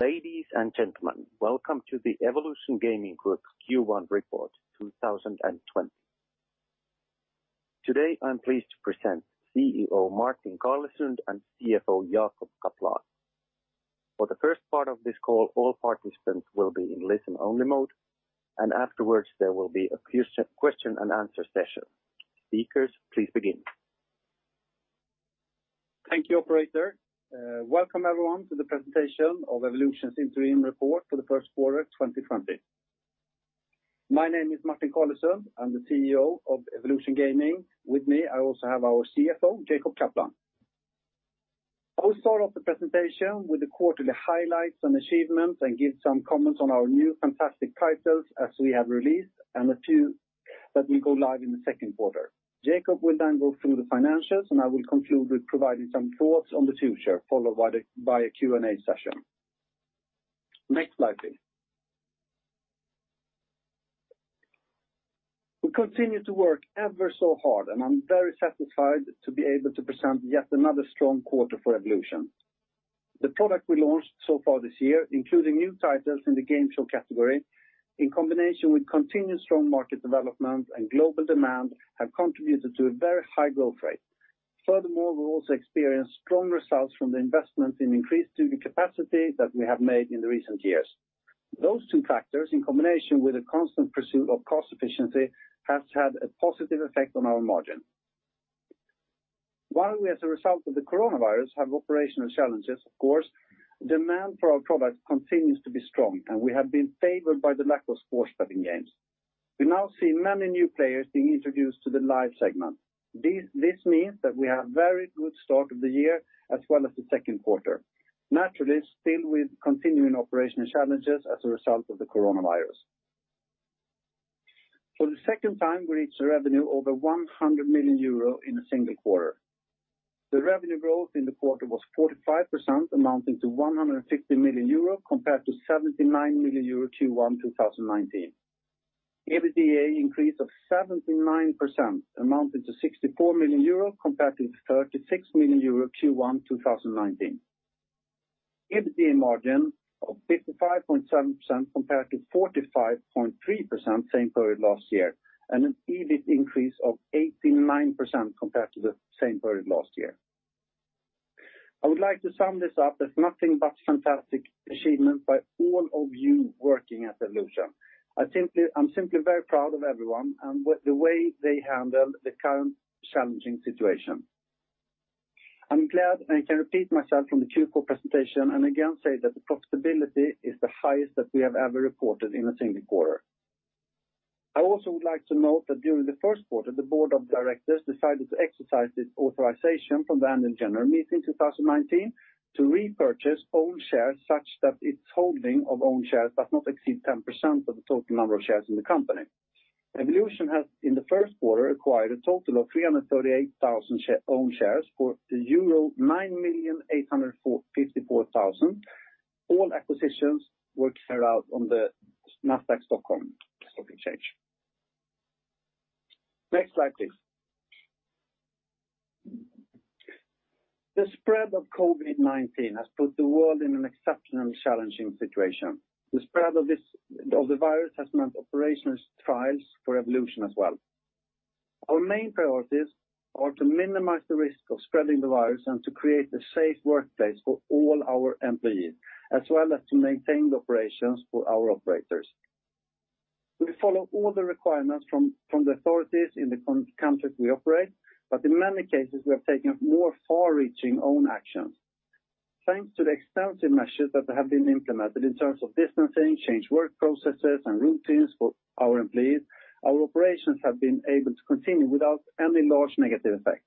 Ladies and gentlemen, welcome to the Evolution Gaming Group Q1 report 2020. Today, I'm pleased to present CEO Martin Carlesund and CFO Jacob Kaplan. For the first part of this call, all participants will be in listen-only mode, and afterwards, there will be a question-and-answer session. Speakers, please begin. Thank you, operator. Welcome everyone to the presentation of Evolution's interim report for the first quarter of 2020. My name is Martin Carlesund. I'm the CEO of Evolution Gaming. With me, I also have our CFO, Jacob Kaplan. I will start off the presentation with the quarterly highlights and achievements and give some comments on our new fantastic titles as we have released and the two that will go live in the second quarter. Jacob will then go through the financials, and I will conclude with providing some thoughts on the future, followed by a Q&A session. Next slide, please. We continue to work ever so hard, and I'm very satisfied to be able to present yet another strong quarter for Evolution. The product we launched so far this year, including new titles in the game show category, in combination with continued strong market development and global demand, have contributed to a very high growth rate. Furthermore, we've also experienced strong results from the investment in increased studio capacity that we have made in the recent years. Those two factors, in combination with a constant pursuit of cost efficiency, has had a positive effect on our margin. While we, as a result of the coronavirus, have operational challenges, of course, demand for our products continues to be strong, and we have been favored by the lack of sports betting games. We now see many new players being introduced to the live segment. This means that we have very good start of the year as well as the second quarter. Naturally, still with continuing operational challenges as a result of the coronavirus. For the second time, we reached revenue over 100 million euro in a single quarter. The revenue growth in the quarter was 45%, amounting to 150 million euro compared to 79 million euro Q1 2019. EBITDA increase of 79% amounted to 64 million euros compared to 36 million euros Q1 2019. EBITDA margin of 55.7% compared to 45.3% same period last year, and an EBIT increase of 89% compared to the same period last year. I would like to sum this up as nothing but fantastic achievement by all of you working at Evolution. I'm simply very proud of everyone and the way they handled the current challenging situation. I'm glad I can repeat myself from the Q4 presentation and again say that the profitability is the highest that we have ever reported in a single quarter. I also would like to note that during the first quarter, the board of directors decided to exercise its authorization from the annual general meeting 2019 to repurchase own shares such that its holding of own shares does not exceed 10% of the total number of shares in the company. Evolution has, in the first quarter, acquired a total of 338,000 own shares for euro 9,854,000. All acquisitions were carried out on the NASDAQ Stockholm Stock Exchange. Next slide, please. The spread of COVID-19 has put the world in an exceptional and challenging situation. The spread of the virus has meant operational trials for Evolution as well. Our main priorities are to minimize the risk of spreading the virus and to create a safe workplace for all our employees, as well as to maintain the operations for our operators. We follow all the requirements from the authorities in the countries we operate, but in many cases, we have taken more far-reaching own actions. Thanks to the extensive measures that have been implemented in terms of distancing, changed work processes, and routines for our employees, our operations have been able to continue without any large negative effect.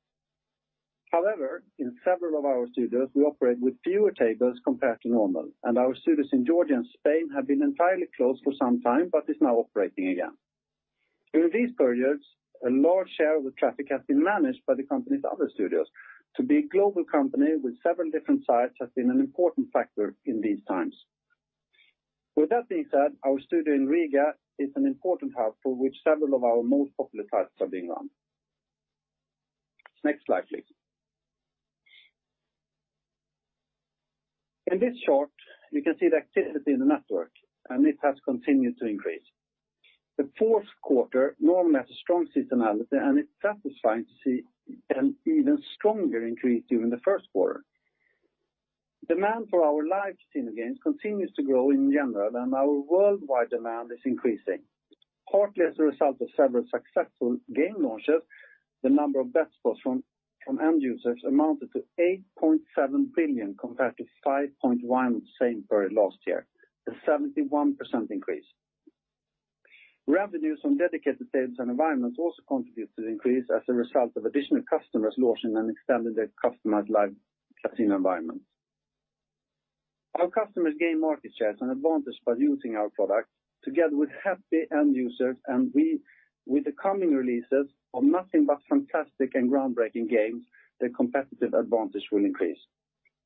However, in several of our studios, we operate with fewer tables compared to normal, and our studios in Georgia and Spain have been entirely closed for some time but is now operating again. During these periods, a large share of the traffic has been managed by the company's other studios. To be a global company with several different sites has been an important factor in these times. With that being said, our studio in Riga is an important hub for which several of our most popular types are being run. Next slide, please. In this chart, you can see the activity in the network, and it has continued to increase. The fourth quarter normally has a strong seasonality, and it's satisfying to see an even stronger increase during the first quarter. Demand for our Live Casino games continues to grow in general, and our worldwide demand is increasing. Partly as a result of several successful game launches, the number of bet spots from end users amounted to 8.7 billion compared to 5.1 same period last year, a 71% increase. Revenues from dedicated tables and environments also contributed to the increase as a result of additional customers launching and extending their customized Live Casino environments. Our customers gain market shares and advantage by using our products together with happy end users and we with the coming releases of nothing but fantastic and groundbreaking games, their competitive advantage will increase.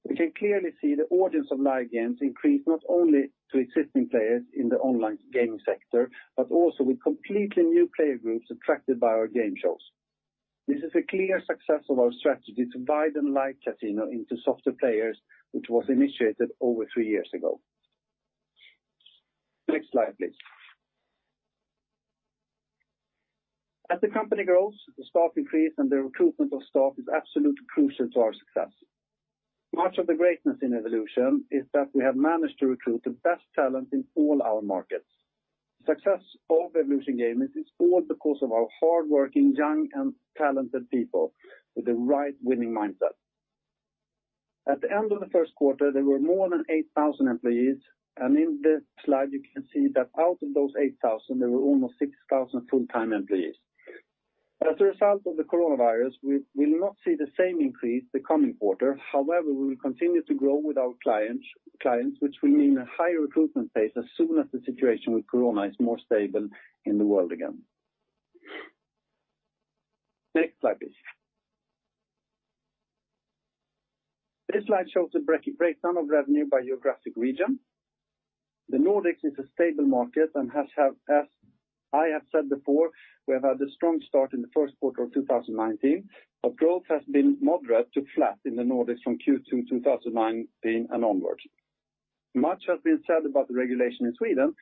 We can clearly see the audience of live games increase not only to existing players in the online gaming sector, but also with completely new player groups attracted by our game shows. This is a clear success of our strategy to bring the Live Casino into [software players], which was initiated over three years ago. Next slide, please. As the company grows, the staff increase, and the recruitment of staff is absolutely crucial to our success. Much of the greatness in Evolution is that we have managed to recruit the best talent in all our markets. Success of Evolution Gaming is all because of our hardworking, young, and talented people with the right winning mindset. At the end of the first quarter, there were more than 8,000 employees, and in this slide you can see that out of those 8,000, there were almost 6,000 full-time employees. As a result of the coronavirus, we will not see the same increase the coming quarter. However, we will continue to grow with our clients which will mean a high recruitment pace as soon as the situation with corona is more stable in the world again. Next slide, please. This slide shows the breakdown of revenue by geographic region. The Nordics is a stable market and as I have said before, we have had a strong start in the first quarter of 2019. Our growth has been moderate to flat in the Nordics from Q2 2019 and onwards. Much has been said about the regulation in Sweden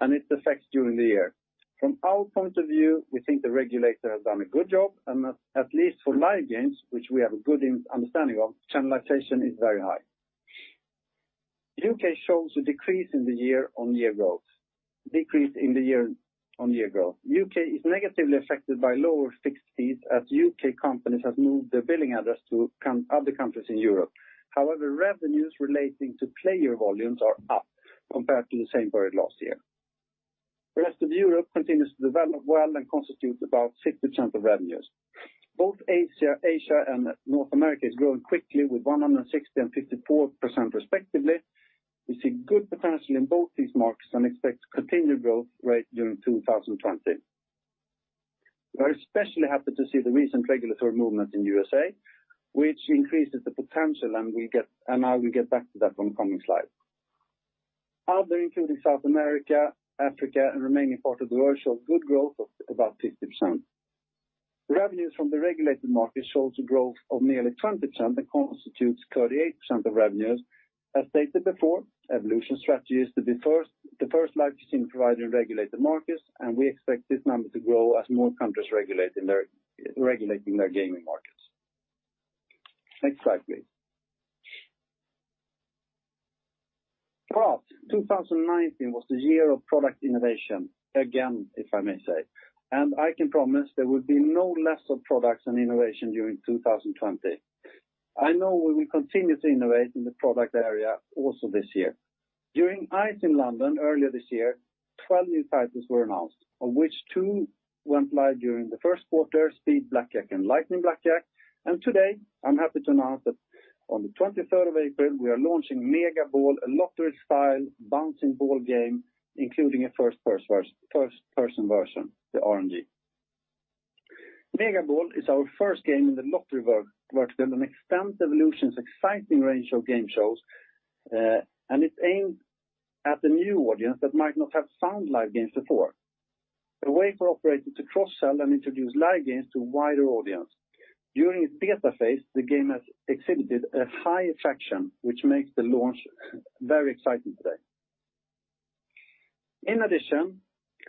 and its effects during the year. From our point of view, we think the regulator has done a good job and at least for live games, which we have a good understanding of, channelization is very high. U.K. shows a decrease in the year-over-year growth. U.K. is negatively affected by lower fixed fees as U.K. companies have moved their billing address to other countries in Europe. However, revenues relating to player volumes are up compared to the same period last year. The rest of Europe continues to develop well and constitutes about 60% of revenues. Both Asia and North America is growing quickly with 160 and 54% respectively. We see good potential in both these markets and expect continued growth rate during 2020. We are especially happy to see the recent regulatory movement in U.S.A., which increases the potential and I will get back to that on coming slide. Other, including South America, Africa, and remaining part of the world show good growth of about 50%. Revenues from the regulated market shows a growth of nearly 20% and constitutes 38% of revenues. As stated before, Evolution strategy is to be first, the first Live Casino provider in regulated markets, and we expect this number to grow as more countries regulating their gaming markets. Next slide, please. 2019 was the year of product innovation, again, if I may say, I can promise there will be no less of products and innovation during 2020. I know we will continue to innovate in the product area also this year. During ICE in London earlier this year, 12 new titles were announced, of which two went live during the first quarter, Speed Blackjack and Lightning Blackjack. Today I'm happy to announce that on the April 23rd, we are launching Mega Ball, a lottery-style bouncing ball game, including a first-person version, the RNG. Mega Ball is our first game in the lottery vertical and expands Evolution's exciting range of game shows. It's aimed at the new audience that might not have found live games before. A way for operators to cross-sell and introduce live games to a wider audience. During its beta phase, the game has exhibited a high attraction, which makes the launch very exciting today. In addition,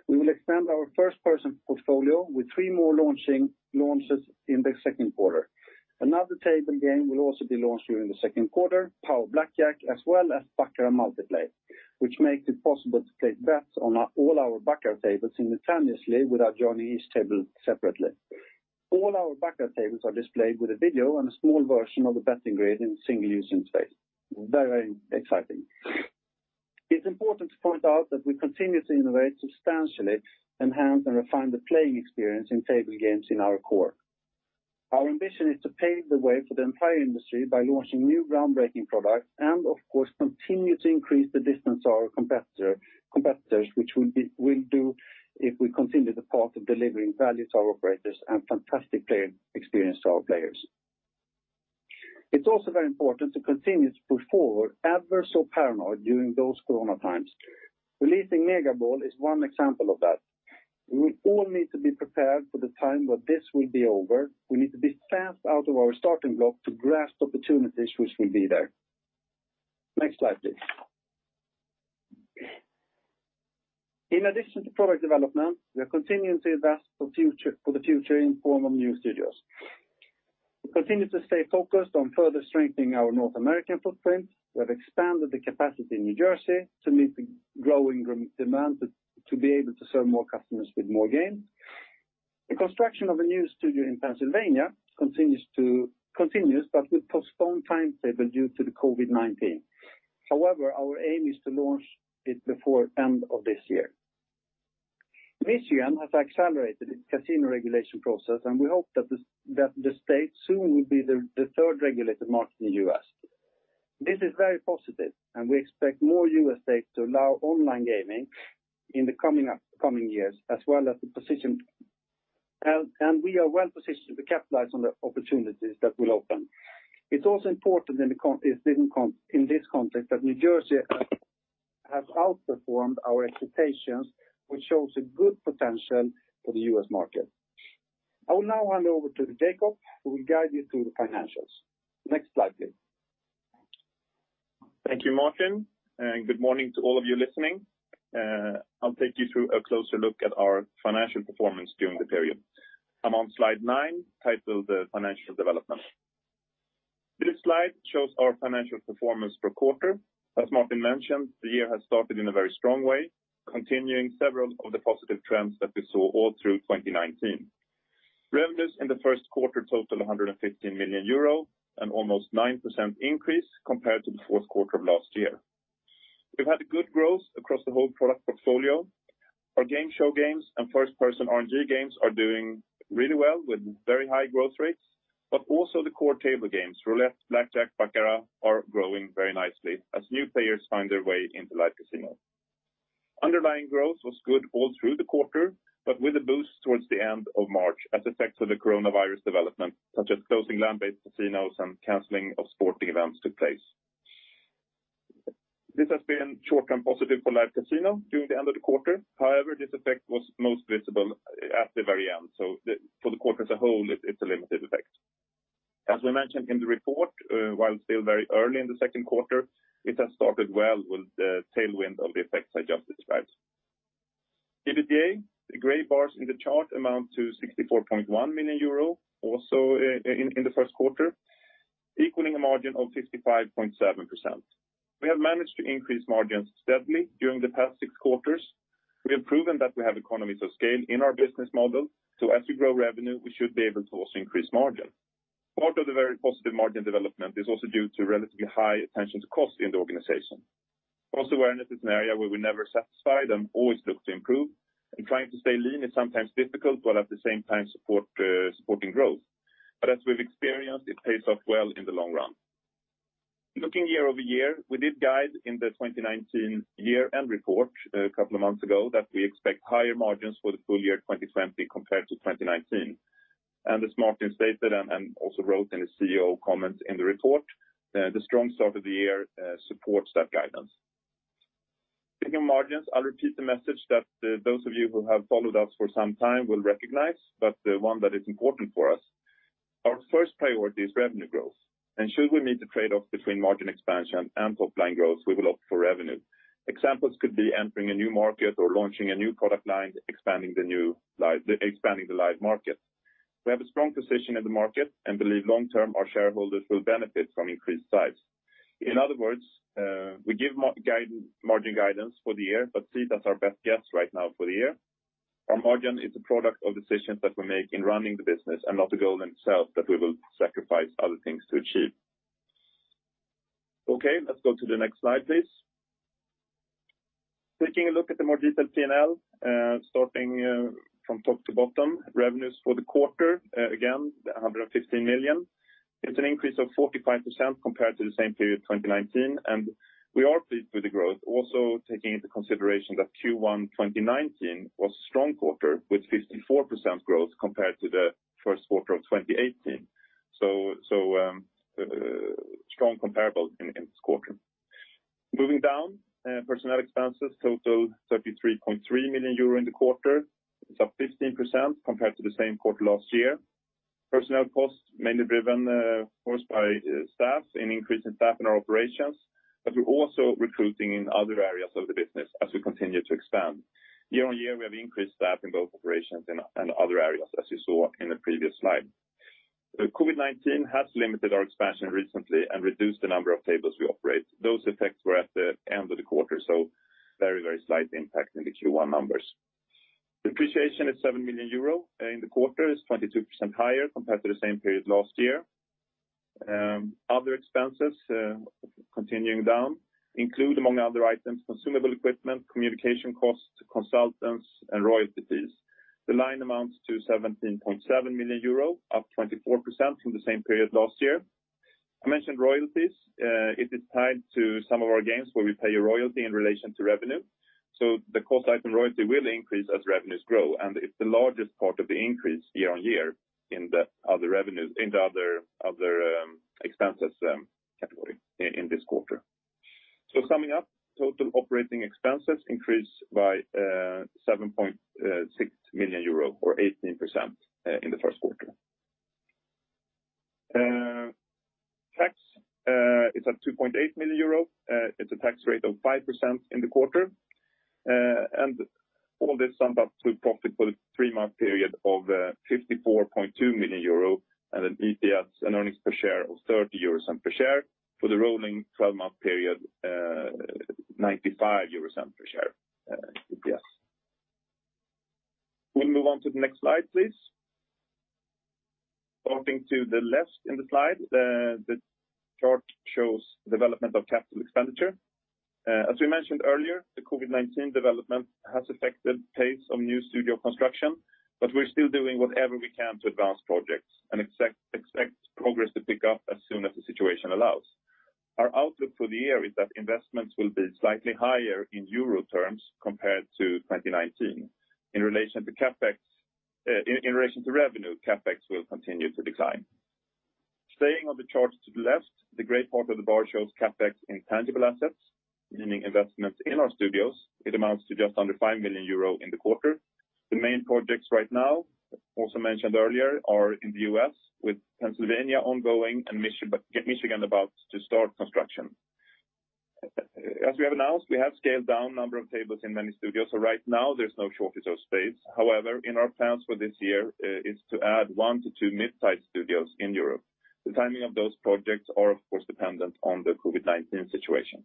we will expand our first-person portfolio with three more launches in the second quarter. Another table game will also be launched during the second quarter, Power Blackjack, as well as Baccarat Multiplay, which makes it possible to place bets on all our Baccarat tables simultaneously without joining each table separately. All our Baccarat tables are displayed with a video and a small version of the betting grid in single-use interface. Very exciting. It's important to point out that we continue to innovate substantially, enhance, and refine the playing experience in table games in our core. Our ambition is to pave the way for the entire industry by launching new groundbreaking products and of course continue to increase the distance to our competitors, we'll do if we continue the path of delivering value to our operators and fantastic player experience to our players. It's also very important to continue to push forward adverse so paranoid during those Corona times. Releasing Mega Ball is one example of that. We will all need to be prepared for the time when this will be over. We need to be fast out of our starting block to grasp opportunities which will be there. Next slide, please. In addition to product development, we are continuing to invest for the future in form of new studios. We continue to stay focused on further strengthening our North American footprint. We have expanded the capacity in New Jersey to meet the growing demand to be able to serve more customers with more games. The construction of a new studio in Pennsylvania continues, but with postponed timetable due to the COVID-19. However, our aim is to launch it before end of this year. Michigan has accelerated its casino regulation process, and we hope that the state soon will be the third regulated market in U.S. This is very positive. We expect more U.S. states to allow online gaming in the coming years, as well as the position. We are well-positioned to capitalize on the opportunities that will open. It's also important in this context that New Jersey has outperformed our expectations, which shows a good potential for the U.S. market. I will now hand over to Jacob, who will guide you through the financials. Next slide, please. Thank you, Martin, and good morning to all of you listening. I'll take you through a closer look at our financial performance during the period. I'm on slide nine, titled the Financial Development. This slide shows our financial performance per quarter. As Martin mentioned, the year has started in a very strong way, continuing several of the positive trends that we saw all through 2019. Revenues in the first quarter totaled 115 million euro and almost a 9% increase compared to the fourth quarter of last year. We've had good growth across the whole product portfolio. Our game show games and first-person RNG games are doing really well with very high growth rates, but also the core table games, Roulette, Blackjack, Baccarat, are growing very nicely as new players find their way into Live Casino. Underlying growth was good all through the quarter, but with a boost towards the end of March as effects of the coronavirus development, such as closing land-based casinos and canceling of sporting events took place. This has been short-term positive for Live Casino during the end of the quarter. However, this effect was most visible at the very end. For the quarter as a whole, it's a limited effect. As we mentioned in the report, while still very early in the second quarter, it has started well with the tailwind of the effects I just described. EBITDA, the gray bars in the chart amount to 64.1 million euro, also in the first quarter, equaling a margin of 55.7%. We have managed to increase margins steadily during the past six quarters. We have proven that we have economies of scale in our business model, so as we grow revenue, we should be able to also increase margin. Part of the very positive margin development is also due to relatively high attention to cost in the organization. Cost awareness is an area where we're never satisfied and always look to improve, and trying to stay lean is sometimes difficult, but at the same time supporting growth. As we've experienced, it pays off well in the long run. Looking year-over-year, we did guide in the 2019 year-end report a couple of months ago that we expect higher margins for the full year 2020 compared to 2019. As Martin stated and also wrote in his CEO comments in the report, the strong start of the year supports that guidance. Speaking of margins, I'll repeat the message that those of you who have followed us for some time will recognize, but the one that is important for us. Our first priority is revenue growth. Should we need to trade-off between margin expansion and top-line growth, we will opt for revenue. Examples could be entering a new market or launching a new product line, expanding the live market. We have a strong position in the market and believe long term our shareholders will benefit from increased size. In other words, we give margin guidance for the year, but see that's our best guess right now for the year. Our margin is a product of decisions that we make in running the business and not a goal in itself that we will sacrifice other things to achieve. Let's go to the next slide, please. Taking a look at the more detailed P&L, starting from top to bottom, revenues for the quarter, again, the 115 million. It's an increase of 45% compared to the same period 2019. We are pleased with the growth, also taking into consideration that Q1 2019 was a strong quarter with 54% growth compared to the first quarter of 2018. Strong comparable in this quarter. Moving down, personnel expenses total 33.3 million euro in the quarter. It's up 15% compared to the same quarter last year. Personnel costs mainly driven, of course, by staff and increase in staff in our operations. We're also recruiting in other areas of the business as we continue to expand. Year-on-year, we have increased staff in both operations and other areas, as you saw in the previous slide. The COVID-19 has limited our expansion recently and reduced the number of tables we operate. Those effects were at the end of the quarter, very slight impact in the Q1 numbers. Depreciation is 7 million euro. In the quarter, it's 22% higher compared to the same period last year. Other expenses, continuing down, include, among other items, consumable equipment, communication costs, consultants, and royalties. The line amounts to 17.7 million euro, up 24% from the same period last year. I mentioned royalties. It is tied to some of our games where we pay a royalty in relation to revenue. The cost item royalty will increase as revenues grow, and it's the largest part of the increase year-over-year in the other revenues in the other expenses category in this quarter. Summing up, total operating expenses increased by 7.6 million euro or 18% in the first quarter. Tax is at 2.8 million euro. It's a tax rate of 5% in the quarter. And all this summed up to profit for the three-month period of 54.2 million euro and an EPS and earnings per share of 0.30 euros per share. For the rolling 12-month period, 0.95 euros per share EPS. We move on to the next slide, please. Starting to the left in the slide, the chart shows development of capital expenditure. As we mentioned earlier, the COVID-19 development has affected pace of new studio construction, but we're still doing whatever we can to advance projects and expect progress to pick up as soon as the situation allows. Our outlook for the year is that investments will be slightly higher in EUR terms compared to 2019. In relation to CapEx, in relation to revenue, CapEx will continue to decline. Staying on the charts to the left, the great part of the bar shows CapEx in tangible assets, meaning investments in our studios. It amounts to just under 5 million euro in the quarter. The main projects right now, also mentioned earlier, are in the U.S. with Pennsylvania ongoing and Michigan about to start construction. As we have announced, we have scaled down number of tables in many studios, so right now there's no shortage of space. However, in our plans for this year, is to add one-two mid-sized studios in Europe. The timing of those projects are of course dependent on the COVID-19 situation.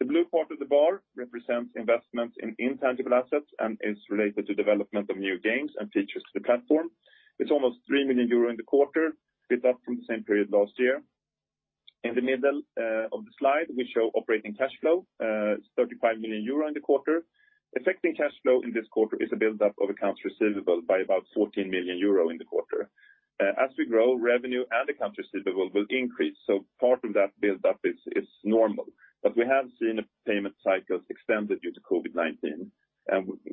The blue part of the bar represents investments in intangible assets and is related to development of new games and features to the platform. It's almost 3 million euro in the quarter, built up from the same period last year. In the middle of the slide, we show operating cash flow, it's 35 million euro in the quarter. Affecting cash flow in this quarter is a buildup of accounts receivable by about 14 million euro in the quarter. As we grow revenue and accounts receivable will increase, so part of that build up is normal. But we have seen the payment cycles extended due to COVID-19.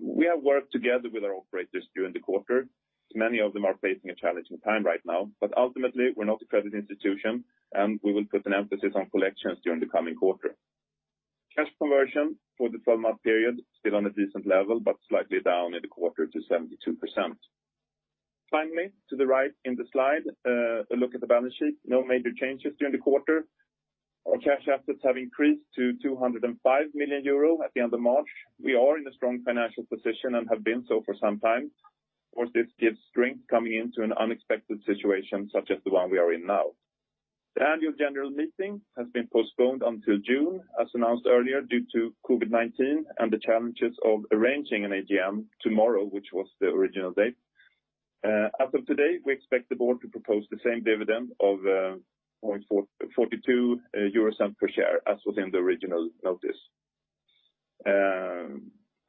We have worked together with our operators during the quarter. Many of them are facing a challenging time right now, but ultimately, we're not a credit institution, and we will put an emphasis on collections during the coming quarter. Cash conversion for the 12-month period still on a decent level, but slightly down in the quarter to 72%. Finally, to the right in the slide, a look at the balance sheet. No major changes during the quarter. Our cash assets have increased to 205 million euro at the end of March. We are in a strong financial position and have been so for some time. Of course, this gives strength coming into an unexpected situation such as the one we are in now. The annual general meeting has been postponed until June, as announced earlier, due to COVID-19 and the challenges of arranging an AGM tomorrow, which was the original date. As of today, we expect the board to propose the same dividend of 0.42 per share as within the original notice.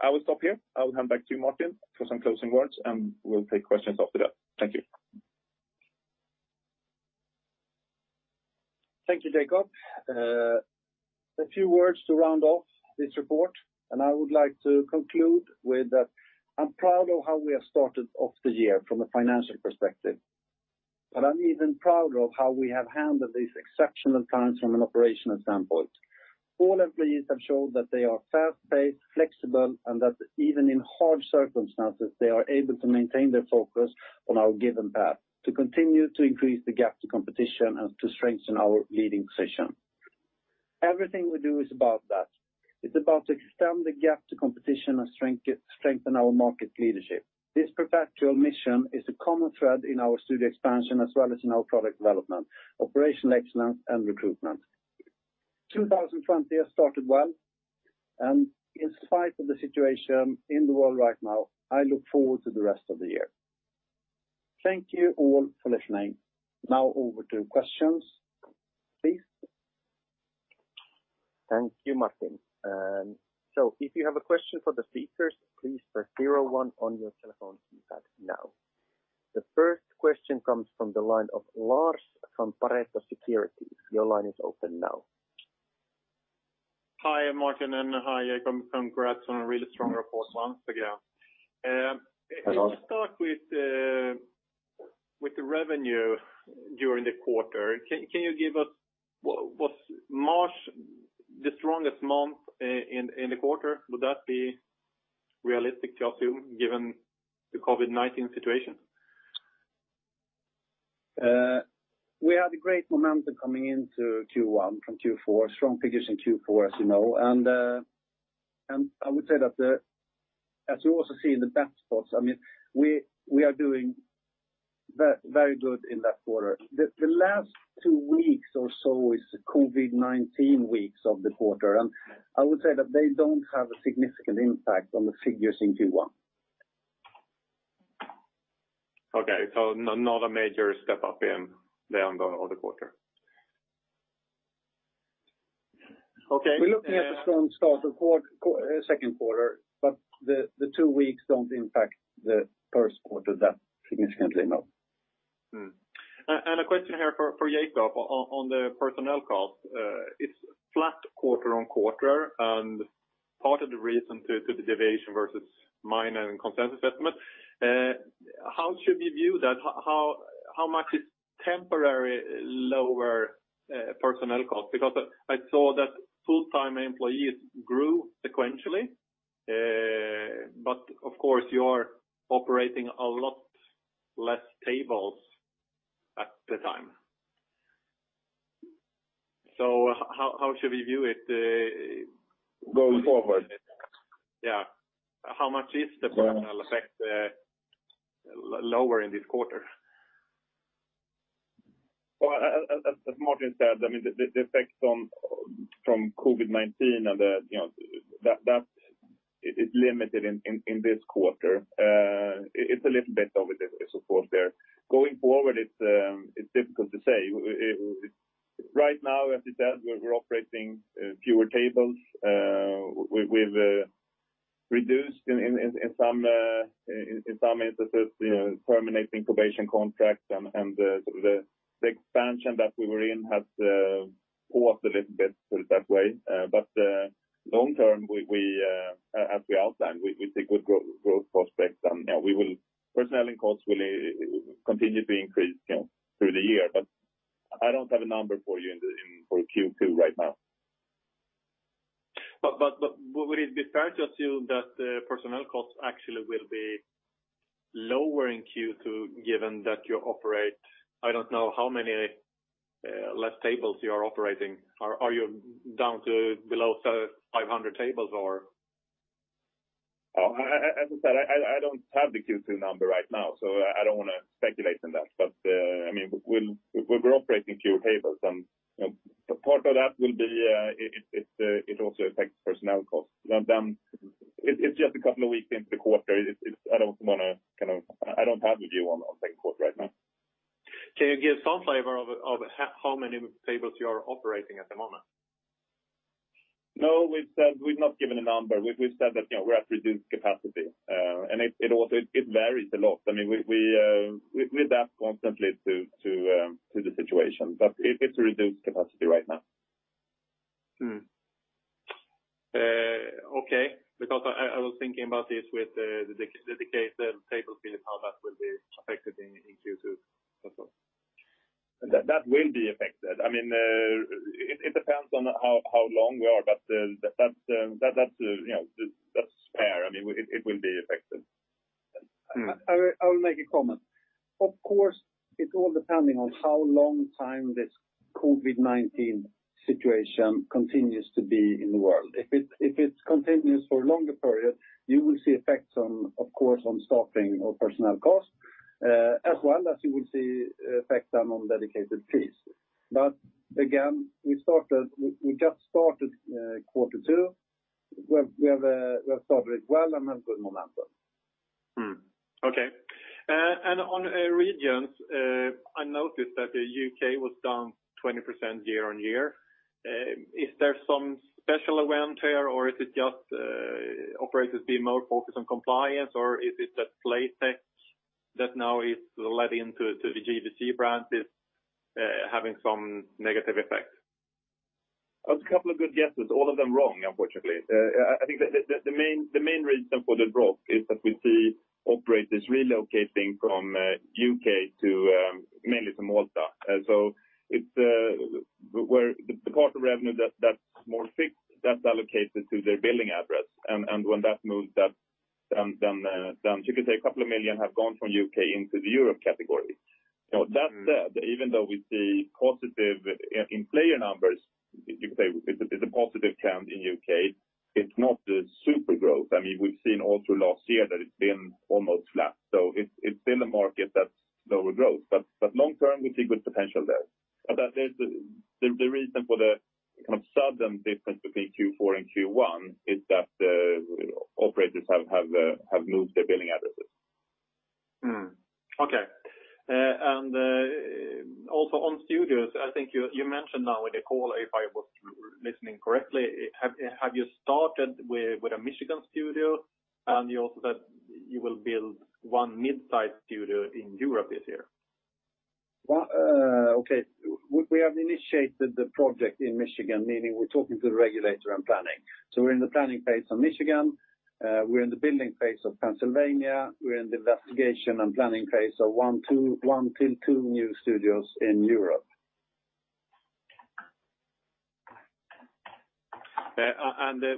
I will stop here. I will hand back to you, Martin, for some closing words. We'll take questions after that. Thank you. Thank you, Jacob. A few words to round off this report. I would like to conclude with that I'm proud of how we have started off the year from a financial perspective. I'm even prouder of how we have handled these exceptional times from an operational standpoint. All employees have showed that they are fast-paced, flexible, and that even in hard circumstances, they are able to maintain their focus on our given path to continue to increase the gap to competition and to strengthen our leading position. Everything we do is about that. It's about to extend the gap to competition and strengthen our market leadership. This perpetual mission is a common thread in our studio expansion as well as in our product development, operational excellence, and recruitment. 2020 has started well, and in spite of the situation in the world right now, I look forward to the rest of the year. Thank you all for listening. Now over to questions, please. Thank you, Martin. If you have a question for the speakers, please press zero one on your telephone keypad now. The first question comes from the line of Lars from Pareto Securities. Your line is open now. Hi, Martin, and hi, Jacob. Congrats on a really strong report once again. As always. If we start with the revenue during the quarter. Can you give us what's March the strongest month in the quarter? Would that be realistic to assume given the COVID-19 situation? We had a great momentum coming into Q1 from Q4, strong figures in Q4, as you know. I would say that as you also see in the best spots, I mean, we are doing very good in that quarter. The last two weeks or so is the COVID-19 weeks of the quarter. I would say that they don't have a significant impact on the figures in Q1. Okay. Not a major step up in the end of the quarter. Okay. We're looking at a strong start of second quarter, but the two weeks don't impact the first quarter that significantly, no. A question here for Jacob on the personnel cost. It's flat quarter-on-quarter, and part of the reason to the deviation versus mine and consensus estimate. How should we view that? How much is temporary lower personnel cost? I saw that full-time employees grew sequentially. Of course, you are operating a lot less tables at the time. How should we view it? Going forward? Yeah. How much is the personnel effect, lower in this quarter? Well, as Martin said, I mean the effects from COVID-19 and, you know, that is limited in this quarter. It's a little bit of it, of course there. Going forward, it's difficult to say. Right now, as we said, we're operating fewer tables. We've reduced in some instances, you know, terminating probation contracts and the expansion that we were in has, for us a little bit put that way. Long term, we, as we outlined, we see good growth prospects and, yeah, personnel costs will continue to increase, you know, through the year. I don't have a number for you in, for Q2 right now. Would it be fair to assume that the personnel costs actually will be lower in Q2 given that you operate, I don't know how many less tables you are operating? Are you down to below 500 tables or? I, as I said, I don't have the Q2 number right now, so I don't wanna speculate on that. I mean, we're operating fewer tables and, you know, part of that will be, it also affects personnel costs. It's just a couple of weeks into the quarter. I don't wanna kind of I don't have the view on second quarter right now. Can you give some flavor of how many tables you are operating at the moment? No. We've said we've not given a number. We've said that, you know, we're at reduced capacity. It also varies a lot. I mean, we adapt constantly to the situation. It's reduced capacity right now. Okay. I was thinking about this with the dedicated table business, how that will be affected in Q2 as well? That will be affected. I mean, it depends on how long we are, but that's, you know, that's fair. I mean, it will be affected. I'll make a comment. Of course, it's all depending on how long time this COVID-19 situation continues to be in the world. If it continues for a longer period, you will see effects on, of course, on staffing or personnel costs, as well as you will see effects then on dedicated fees. Again, we just started, quarter two. We have started well and have good momentum. Okay. On regions, I noticed that the U.K. was down 20% year-on-year. Is there some special event there or is it just operators being more focused on compliance, or is it that Playtech that now is let into the GVC brand is having some negative effects? A couple of good guesses. All of them wrong, unfortunately. I think the main reason for the drop is that we see operators relocating from U.K. to mainly to Malta. It's where the part of revenue that's more fixed, that's allocated to their billing address. When that moves, then you could say 2 million have gone from U.K. into the Europe category. That said. Even though we see positive in player numbers, you could say it's a positive count in U.K., it's not a super growth. I mean, we've seen all through last year that it's been almost flat. It's been a market that's lower growth. Long term, we see good potential there. That is the reason for the kind of sudden difference between Q4 and Q1 is that the operators have moved their billing addresses. Okay. Also on studios, I think you mentioned now in the call, if I was listening correctly, have you started with a Michigan studio? You also said you will build one midsize studio in Europe this year? Well, okay. We have initiated the project in Michigan, meaning we're talking to the regulator and planning. We're in the planning phase on Michigan. We're in the building phase of Pennsylvania. We're in the investigation and planning phase of one-two new studios in Europe.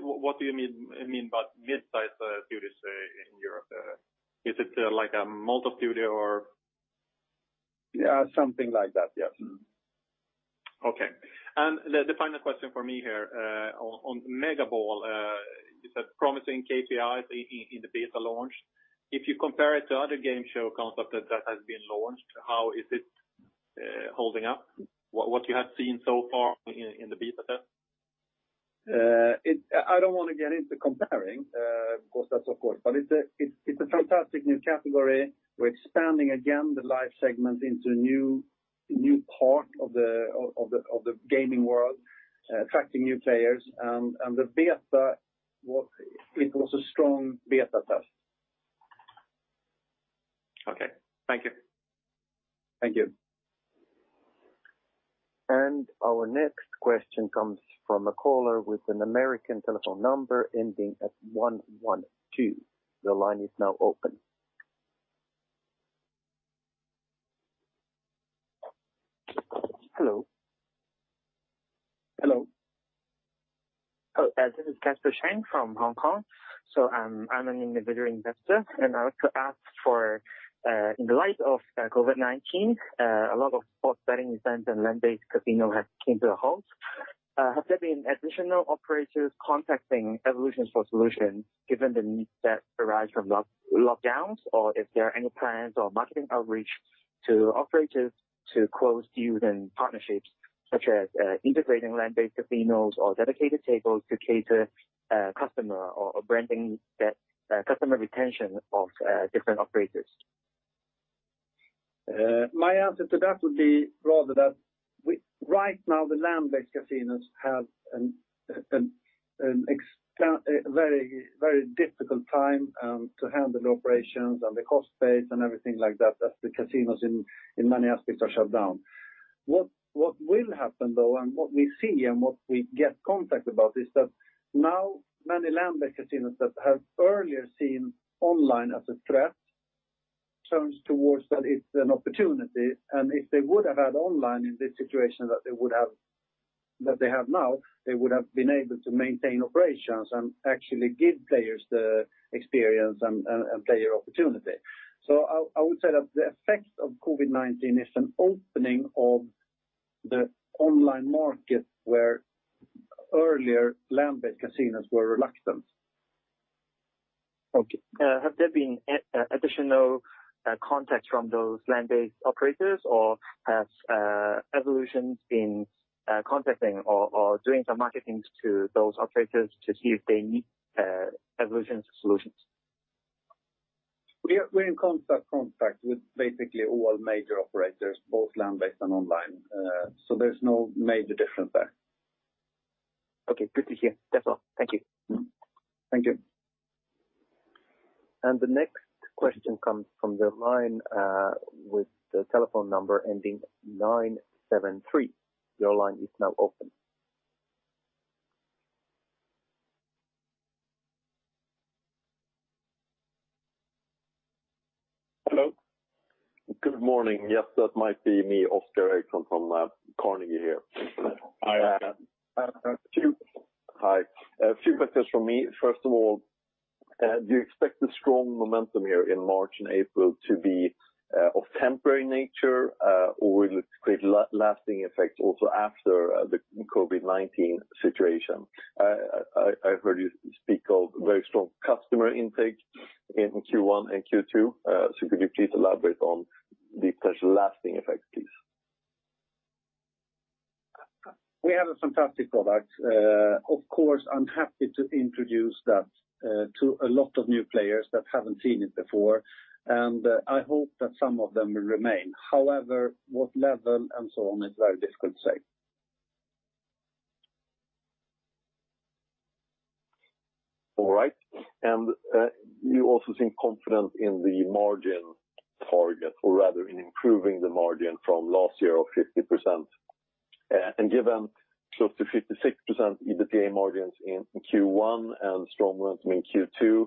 What do you mean by midsize studios in Europe? Is it like a multi studio or? Yeah, something like that. Yes. Okay. The final question for me here, on Mega Ball, you said promising KPIs in the beta launch. If you compare it to other game show concept that has been launched, how is it holding up? What you have seen so far in the beta test? I don't wanna get into comparing concepts, of course, it's a fantastic new category. We're expanding again the live segment into new part of the gaming world, attracting new players. The beta was a strong beta test. Okay. Thank you. Thank you. Our next question comes from a caller with an American telephone number ending at one one two. The line is now open. Hello. Hello. This is Casper Cheng from Hong Kong. I'm an individual investor, and I would like to ask for in the light of COVID-19, a lot of sports betting events and land-based casino have came to a halt. Have there been additional operators contacting Evolution for solutions given the needs that arise from lockdowns, or if there are any plans or marketing outreach to operators to close deals and partnerships such as integrating land-based casinos or dedicated tables to cater customer or branding that customer retention of different operators? My answer to that would be rather that right now, the land-based casinos have a very difficult time to handle operations and the cost base and everything like that as the casinos in many aspects are shut down. What will happen though, and what we see and what we get contact about is that now many land-based casinos that have earlier seen online as a threat turns towards that it's an opportunity. If they would have had online in this situation that they have now, they would have been able to maintain operations and actually give players the experience and player opportunity. I would say that the effect of COVID-19 is an opening of the online market where earlier land-based casinos were reluctant. Okay. Have there been additional contacts from those land-based operators, or has Evolution been contacting or doing some marketing to those operators to see if they need Evolution's solutions? We're in constant contact with basically all major operators, both land-based and online. There's no major difference there. Okay. Good to hear. That's all. Thank you. Thank you. The next question comes from the line, with the telephone number ending nine seven three. Your line is now open. Hello. Good morning. Yes, that might be me, Oscar Erixon from Carnegie here. Hi. Uh, two- Hi. A few questions from me. First of all, do you expect the strong momentum here in March and April to be of temporary nature, or will it create lasting effects also after the COVID-19 situation? I've heard you speak of very strong customer intake in Q1 and Q2. Could you please elaborate on the potential lasting effects, please? We have a fantastic product. Of course, I'm happy to introduce that to a lot of new players that haven't seen it before, and I hope that some of them will remain. However, what level and so on is very difficult to say. All right. You also seem confident in the margin target or rather in improving the margin from last year of 50%. Given close to 56% EBITDA margins in Q1 and strong momentum in Q2,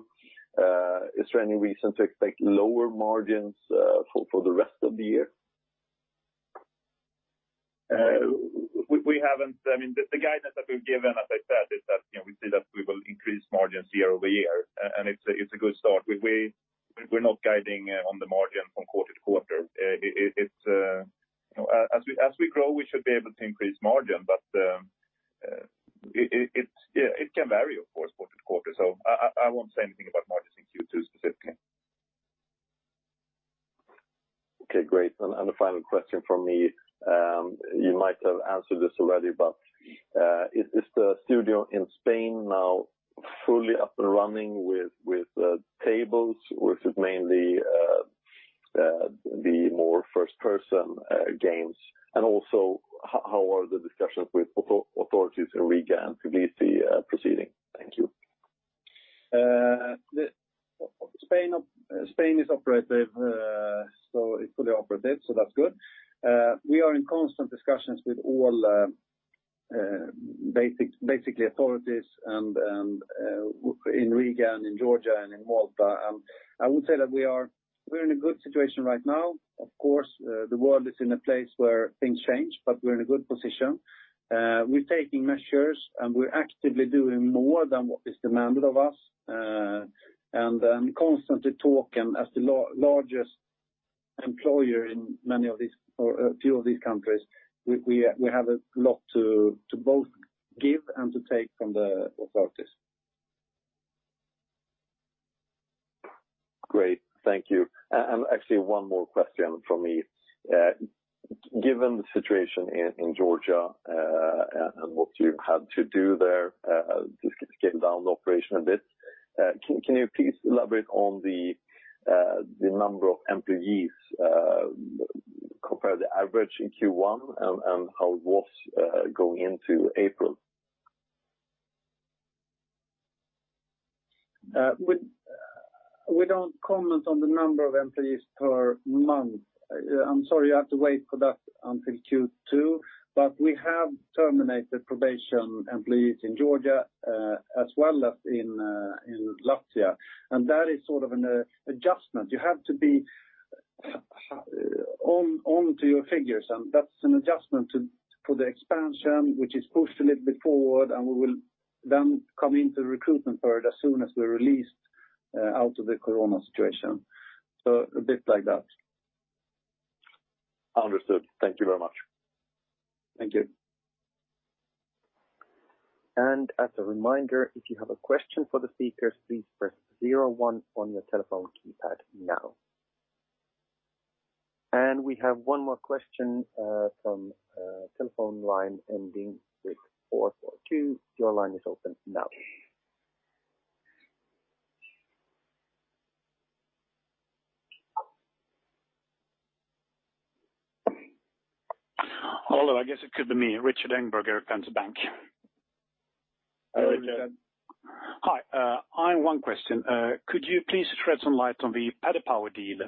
is there any reason to expect lower margins for the rest of the year? We haven't I mean, the guidance that we've given, as I said, is that, you know, we say that we will increase margins year-over-year. It's a good start. We're not guiding on the margin from quarter-to-quarter. It's, you know, as we grow, we should be able to increase margin, but it can vary, of course, quarter-to-quarter. So, I won't say anything about margins in Q2 specifically. Okay, great. The final question from me, you might have answered this already, is the studio in Spain now fully up and running with tables or is it mainly the more first-person games? How are the discussions with authorities in Riga and Tbilisi proceeding? Thank you. Spain is operative, it's fully operative, that's good. We are in constant discussions with all basically authorities in Riga and in Georgia and in Malta. I would say that we're in a good situation right now. Of course, the world is in a place where things change, we're in a good position. We're taking measures, we're actively doing more than what is demanded of us and constantly talking as the largest employer in many of these or a few of these countries. We have a lot to both give and to take from the authorities. Great. Thank you. Actually, one more question from me. Given the situation in Georgia, and what you had to do there, to scale down the operation a bit, can you please elaborate on the number of employees, compare the average in Q1 and how it was going into April? We don't comment on the number of employees per month. I'm sorry you have to wait for that until Q2. We have terminated probation employees in Georgia, as well as in Latvia. That is sort of an adjustment. You have to be on to your figures, and that's an adjustment to, for the expansion, which is pushing it bit forward, and we will then come into the recruitment period as soon as we're released out of the COVID-19 situation. A bit like that. Understood. Thank you very much. Thank you. As a reminder, if you have a question for the speakers, please press zero one on your telephone keypad now. We have one more question from telephone line ending six four four two. Your line is open now. Although I guess it could be me, Rikard Engberg, Erik Penser Bank. Hi, Rikard. Hi, I have one question. Could you please shed some light on the Paddy Power deal,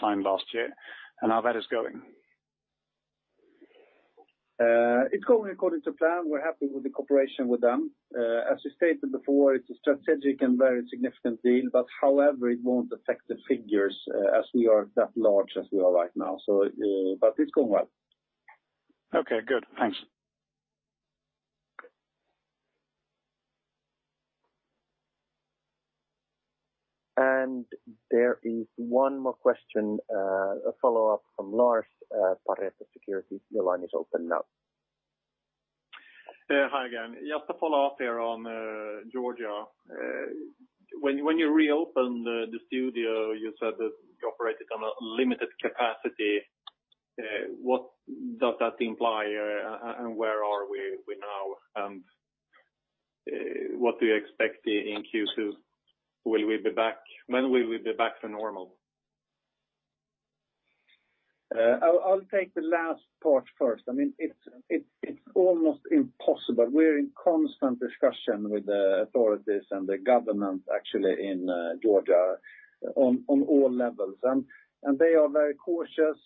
signed last year and how that is going? It's going according to plan. We're happy with the cooperation with them. As we stated before, it's a strategic and very significant deal. However, it won't affect the figures, as we are that large as we are right now. It's going well. Okay, good. Thanks. There is one more question, a follow-up from Lars, Pareto Securities. Your line is open now. Hi again. Just to follow up here on Georgia. When you reopened the studio, you said that you operated on a limited capacity. What does that imply, and where are we now? What do you expect in Q2? When will we be back to normal? I'll take the last part first. I mean, it's almost impossible. We're in constant discussion with the authorities and the government actually in Georgia on all levels. They are very cautious.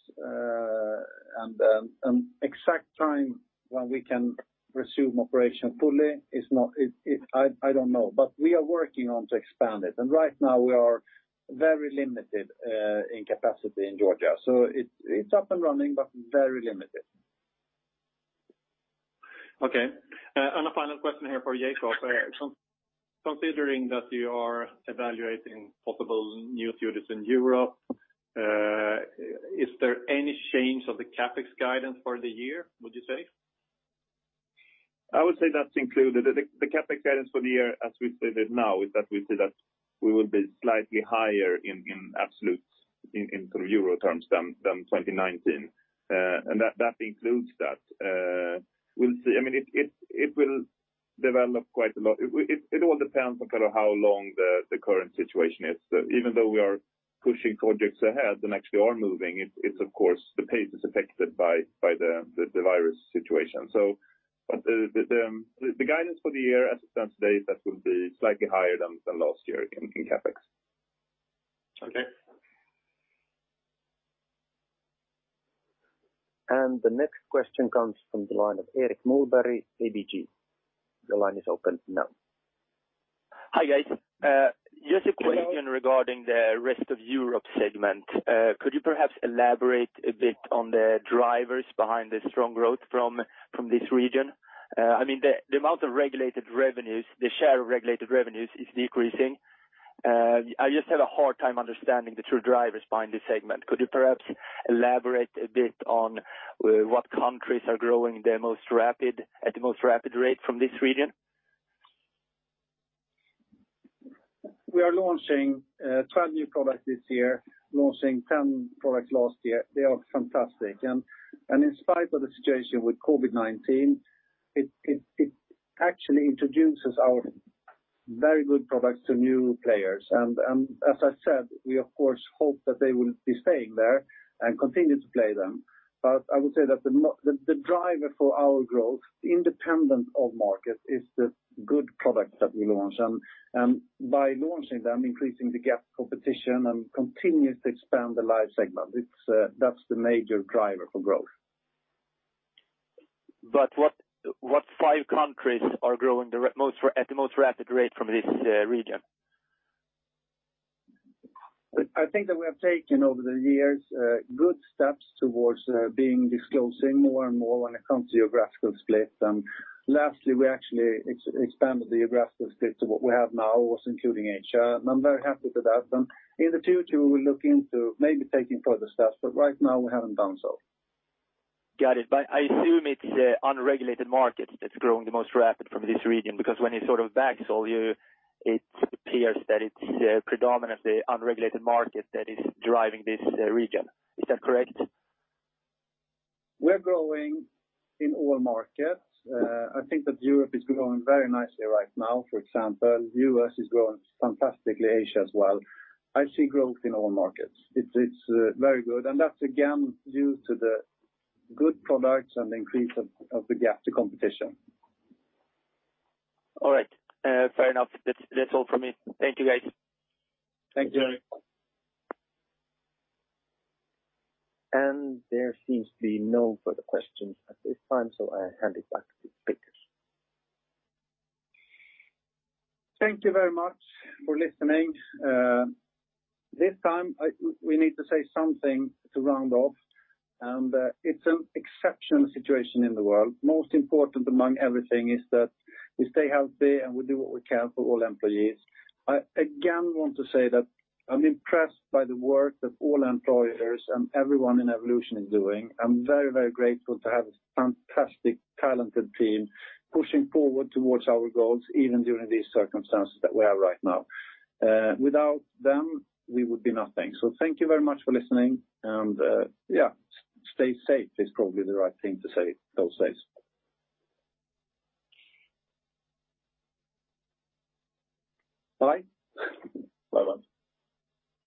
Exact time when we can resume operation fully is not, I don't know. We are working on to expand it. Right now we are very limited in capacity in Georgia. It's up and running, but very limited. Okay. A final question here for Jacob. Sure. Considering that you are evaluating possible new studios in Europe, is there any change of the CapEx guidance for the year, would you say? I would say that's included. The CapEx guidance for the year, as we stated now, is that we say that we will be slightly higher in absolute in EUR terms than 2019. That includes that. We'll see. I mean, it will develop quite a lot. It all depends on kind of how long the current situation is. Even though we are pushing projects ahead and actually are moving, it's of course the pace is affected by the virus situation. But the guidance for the year as it stands today, that will be slightly higher than last year in CapEx. Okay. The next question comes from the line of Erik Moberg, ABG. Your line is open now. Hi, guys. Just a question regarding the rest of Europe segment. Could you perhaps elaborate a bit on the drivers behind the strong growth from this region? I mean, the amount of regulated revenues, the share of regulated revenues is decreasing. I just have a hard time understanding the true drivers behind this segment. Could you perhaps elaborate a bit on what countries are growing at the most rapid rate from this region? We are launching 12 new products this year, launching 10 products last year. They are fantastic. In spite of the situation with COVID-19, it actually introduces our very good products to new players. As I said, we of course hope that they will be staying there and continue to play them. I would say that the driver for our growth, independent of market, is the good products that we launch. By launching them, increasing the gap competition and continue to expand the Live segment, it's that's the major driver for growth. What five countries are growing the most at the most rapid rate from this region? I think that we have taken over the years, good steps towards being disclosing more and more when it comes to geographical split. Lastly, we actually expanded the geographical split to what we have now, also including Asia. I'm very happy with that. In the future, we will look into maybe taking further steps, but right now we haven't done so. Got it. I assume it's unregulated markets that's growing the most rapid from this region, because when you sort of back out, it appears that it's predominantly unregulated market that is driving this region. Is that correct? We're growing in all markets. I think that Europe is growing very nicely right now, for example. U.S. is growing fantastically, Asia as well. I see growth in all markets. It's very good, and that's again due to the good products and increase of the gap to competition. All right. Fair enough. That's all from me. Thank you, guys. Thanks, Erik. There seems to be no further questions at this time. I hand it back to the speakers. Thank you very much for listening. This time we need to say something to round off. It's an exceptional situation in the world. Most important among everything is that we stay healthy and we do what we can for all employees. I again want to say that I'm impressed by the work that all employers and everyone in Evolution is doing. I'm very grateful to have a fantastic talented team pushing forward towards our goals, even during these circumstances that we are right now. Without them, we would be nothing. Thank you very much for listening. Yeah, stay safe is probably the right thing to say these days. Bye. Bye-bye.